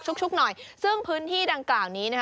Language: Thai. ชุกหน่อยซึ่งพื้นที่ดังกลางนี้